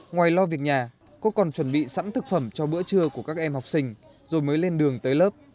ngoài lo việc nhà cô còn chuẩn bị sẵn thực phẩm cho bữa trưa của các em học sinh rồi mới lên đường tới lớp